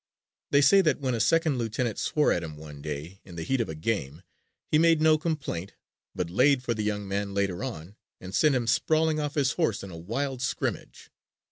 They say that when a second lieutenant swore at him one day in the heat of a game he made no complaint but laid for the young man later on and sent him sprawling off his horse in a wild scrimmage.